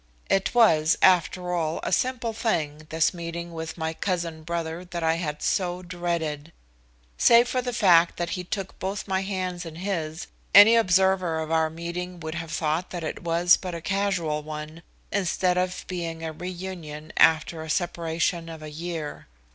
It was, after all, a simple thing, this meeting with my cousin brother that I had so dreaded. Save for the fact that he took both my hands in his, any observer of our meeting would have thought that it was but a casual one, instead of being a reunion after a separation of a year.